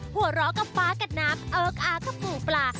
หัวเราะกับฟ้ากับน้ำเอิ๊กอาร์กับหมูปลา